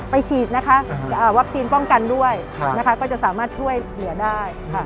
ไปฉีดวัปทีป้องกันด้วยก็จะสามารถช่วยเหลือได้